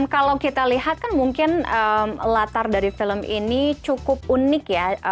kalau kita lihat kan mungkin latar dari film ini cukup unik ya